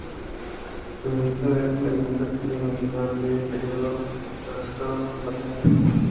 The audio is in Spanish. Su vista es la de un castillo medieval del periodo de los estados combatientes.